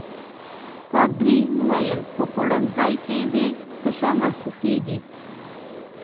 پادري وویل: په خوړنځای کې دي تشه محسوسيږي.